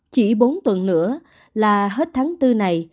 chỉ bốn tuần nữa là hết tháng bốn này